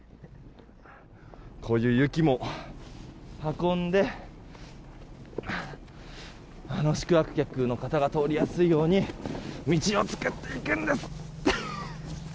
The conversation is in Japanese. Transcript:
こういう雪も運んで宿泊客の方が通りやすいように道を作っていくんです。